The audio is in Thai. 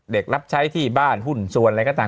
รับใช้ที่บ้านหุ้นส่วนอะไรก็ตาม